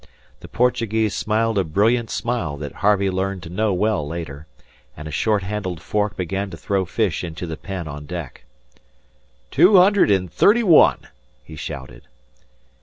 The Portuguese smiled a brilliant smile that Harvey learned to know well later, and with a short handled fork began to throw fish into the pen on deck. "Two hundred and thirty one," he shouted.